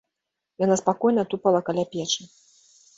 Яна спакойна тупала каля печы.